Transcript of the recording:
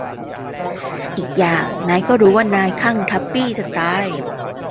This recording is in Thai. อีกอย่าง นายก็รู้ว่านายคลั่งทัปปี้จะตาย